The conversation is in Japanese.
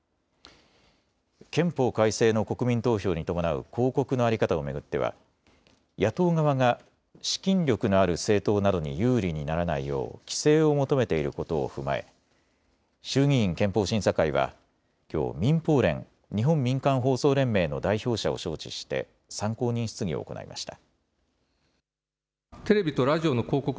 憲法改正の国民投票に伴う広告の在り方を巡っては野党側が資金力のある政党などに有利にならないよう規制を求めていることを踏まえ衆議院憲法審査会はきょう民放連・日本民間放送連盟の代表者を招致して参考人質疑を行いました。